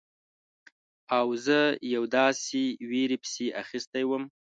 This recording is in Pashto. او زه یوې داسې ویرې پسې اخیستی وم.